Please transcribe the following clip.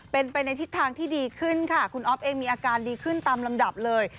เป็นไปในทิศทางที่ดีขึ้นค่ะคุณอ๊อฟเองมีอาการดีขึ้นตามลำดับเลย